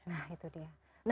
nah itu dia